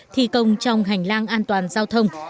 thi công trong hành lang an toàn giao thông